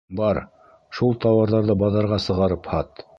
Бар, шул тауарҙарҙы баҙарға сығарып һат.